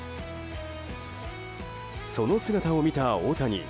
その姿を見た大谷。